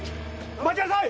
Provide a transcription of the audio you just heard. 待ちなさい！